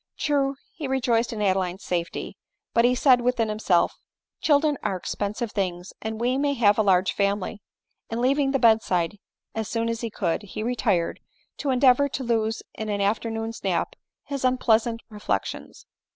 True, he re joiced in Adeline's safety ; but he said within himself, " Children are expensive things, and we may have a large family ;" and leaving the bed side as soon as he could, he retired, to endeavor to lose in an afternoon's nap his unpleasant reflections.